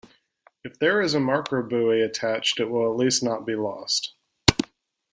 If there is a marker buoy attached it will at least not be lost.